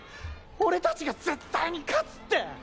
俺達が絶対に勝つって！